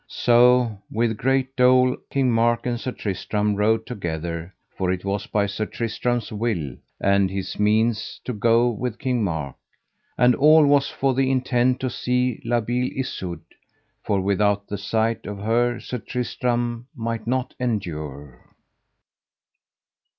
So with great dole King Mark and Sir Tristram rode together, for it was by Sir Tristram's will and his means to go with King Mark, and all was for the intent to see La Beale Isoud, for without the sight of her Sir Tristram might not endure.